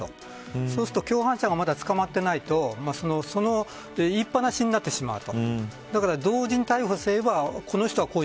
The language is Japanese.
そうすると、共犯者がまだ捕まっていないと言いっ放しになってしまうと。